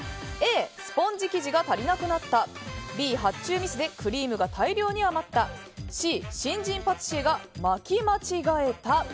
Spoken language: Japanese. Ａ、スポンジ生地が足りなくなったＢ、発注ミスでクリームが大量に余ったＣ、新人パティシエが巻き間違えた。